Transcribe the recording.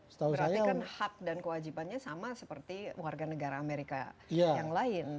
berarti kan hak dan kewajibannya sama seperti warga negara amerika yang lain